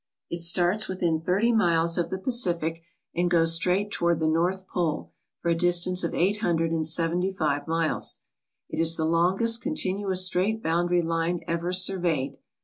It starts within thirty miles of the Pacific and goes straight toward the North Pole for a distance of eight hundred and seventy five miles. It is the longest continuous straight boundary line ever surveyed.